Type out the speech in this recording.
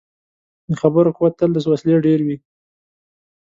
د خبرو قوت تل له وسلې ډېر وي.